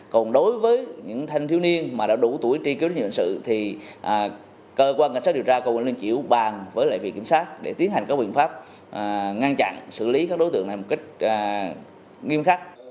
còn đối với những thanh thiếu niên mà đã đủ tuổi tri kiếm doanh nghiệp hành sự thì cơ quan cảnh sát điều tra của liên triều bàn với lại vị kiểm sát để tiến hành các quyền pháp ngăn chặn xử lý các đối tượng này một cách nghiêm khắc